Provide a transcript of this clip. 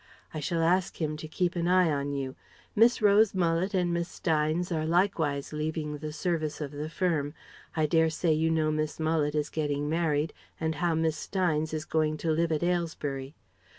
I shall ask him to keep an eye on you. Miss Rose Mullet and Miss Steynes are likewise leaving the service of the firm. I dare say you know Miss Mullet is getting married and how Miss Steynes is going to live at Aylesbury.